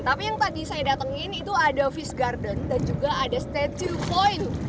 tapi yang tadi saya datangin itu ada fish garden dan juga ada statue point